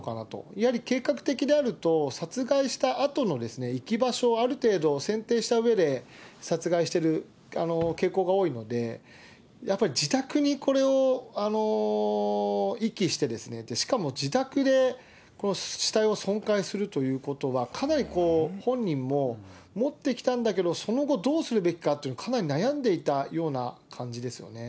やはり計画的であると、殺害したあとの遺棄場所、ある程度選定したうえで、殺害してる傾向が多いので、やっぱり自宅にこれを遺棄して、しかも自宅でこの死体を損壊するということは、かなり本人も持ってきたんだけど、その後、どうするべきかというのをかなり悩んでいたような感じですよね。